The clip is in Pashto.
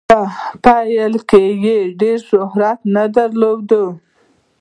په پیل کې یې ډیر شهرت نه درلود.